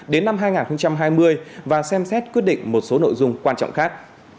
đến năm hai nghìn hai mươi và xem xét quyết định một số nội dung quan trọng khác